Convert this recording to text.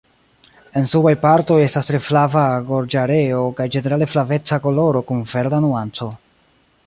En subaj partoj estas tre flava gorĝareo kaj ĝenerale flaveca koloro kun verda nuanco.